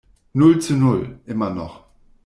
Null zu Null, immer noch.